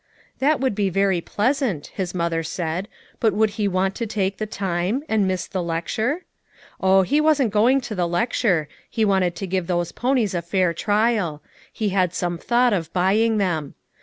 That would be very pleasant, his mother said, but would he want to take the time, and miss the lecture? Oh, he wasn't going to the lecture ; he wanted to give those ponies a fair trial ; he had some thought of buying them.